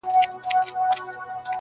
څوک به پوه سي چي له چا به ګیله من یې؟!!